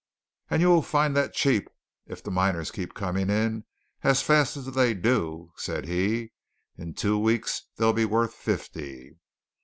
"And you'll find that cheap, if the miners keep coming in as fast as they do," said he. "In two weeks they'll be worth fifty."